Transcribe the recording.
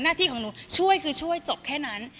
ที่ของหนูช่วยคือช่วยจบแค่นั้น